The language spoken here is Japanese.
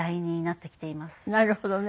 なるほどね。